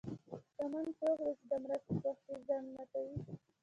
شتمن څوک دی چې د مرستې په وخت کې ځنډ نه کوي.